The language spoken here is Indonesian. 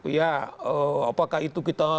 ya apakah itu kita